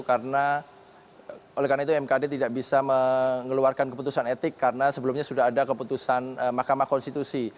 karena oleh karena itu mekad tidak bisa mengeluarkan keputusan etik karena sebelumnya sudah ada keputusan mahkamah konstitusi